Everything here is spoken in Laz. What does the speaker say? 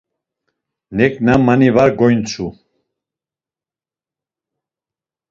Neǩna mani var gonintzu.